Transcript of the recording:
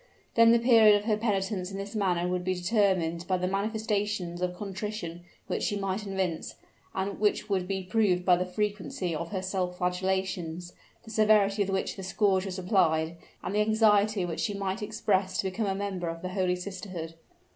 Then the period of her penitence in this manner would be determined by the manifestations of contrition which she might evince, and which would be proved by the frequency of her self flagellations, the severity with which the scourge was applied, and the anxiety which she might express to become a member of the holy sisterhood.